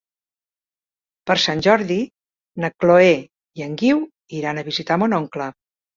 Per Sant Jordi na Chloé i en Guiu iran a visitar mon oncle.